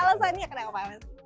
alasannya kenapa mas